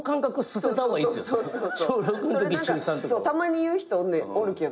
たまに言う人おるけど。